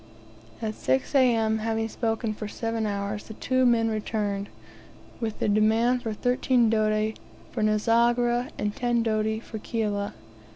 At 6 A.M., having spoken for seven hours, the two men returned, with the demand for thirteen doti for Nzogera, and ten doti for Kiala.